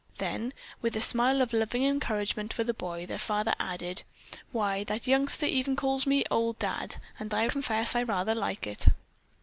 Then, with a smile of loving encouragement for the boy, their father added: "Why, that youngster even calls me 'old Dad' and I confess I rather like it."